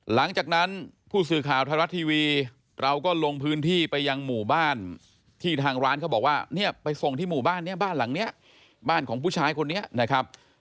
หลังจากนั้นผู้สื่อข่าวไทยรัฐทีวีเราก็ลงพื้นที่ไปยังหมู่บ้านที่ทางร้านเขาบอกว่าเนี่ยไปส่งที่หมู่บ้านนี้บ้านหลังนี้บ้านของผู้ชายคนนี้นะครับ